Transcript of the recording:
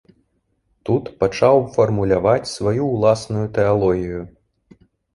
Тут пачаў фармуляваць сваю ўласную тэалогію.